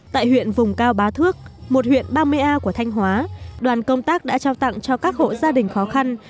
tại huyện vùng cao bá thước một huyện ba mươi a của thanh hóa đoàn công tác đã trao tặng cho các hộ gia đình khó khăn